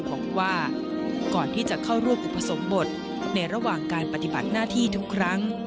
บอกว่าก่อนที่จะเข้าร่วมอุปสมบทในระหว่างการปฏิบัติหน้าที่ทุกครั้ง